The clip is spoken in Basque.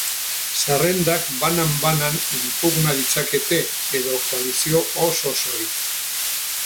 Zerrendak banan banan inpugna ditzakete, edo koalizio oso osorik.